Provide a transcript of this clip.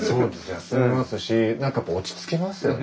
休めますしなんかこう落ち着きますよね